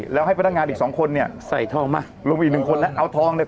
แล้วให้พนักงานอีกสองคนเนี่ยใส่ทองมาลงไปอีกหนึ่งคนแล้วเอาทองเนี่ย